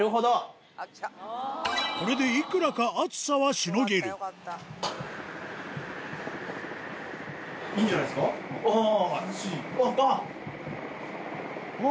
これでいくらか暑さはしのげるあぁ！